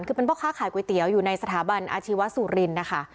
คือเป็นพ่อค้าขายก๋วยเตี๋ยวอยู่ในสถาบันอาชีวสุรินทร์นะคะ